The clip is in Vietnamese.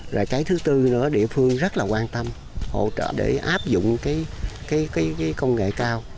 rồi cái thứ tư nữa địa phương rất là quan tâm hỗ trợ để áp dụng cái công nghệ cao